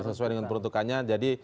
sesuai dengan peruntukannya